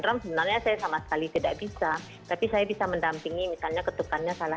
trump sebenarnya saya sama sekali tidak bisa tapi saya bisa mendampingi misalnya ketukannya salah